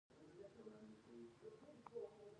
دا هغه له خلاق تخریب څخه وېره وه